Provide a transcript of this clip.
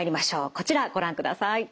こちらご覧ください。